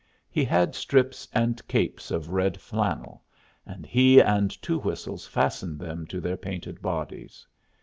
He had strips and capes of red flannel, and he and Two Whistles fastened them to their painted bodies.